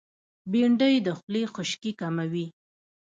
بېنډۍ د خولې خشکي کموي